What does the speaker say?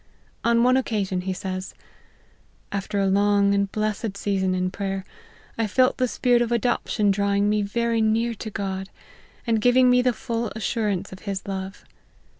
On one occasion he says, " After a long and blessed season in prayer, I felt the spirit of adoption drawing me very near to God, and giving me the full assurance of his love.